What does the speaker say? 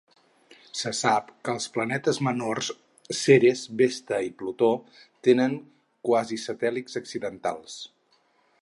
Se sap que els planetes menors Ceres, Vesta i Plutó tenen quasisatèl·lits accidentals.